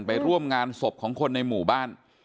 ไปร่วมงานศพของคนในหมู่บ้าน